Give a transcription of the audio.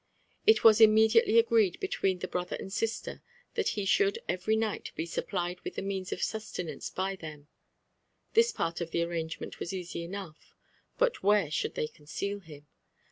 It was immediately agreed between the brother and sister, that he should every night be supplied with the means of sustenance by them* This part of the arrangement was easy enough ; but where should they conceal him